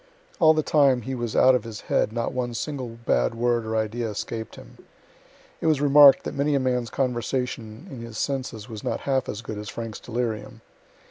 All the time he was out of his head not one single bad word or idea escaped him. It was remark'd that many a man's conversation in his senses was not half as good as Frank's delirium.